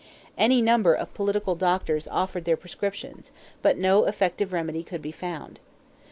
Any number of political doctors offered their prescriptions; but no effective remedy could be found.